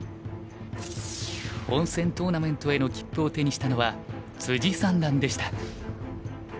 本戦トーナメントへの切符を手にしたのは三段でした。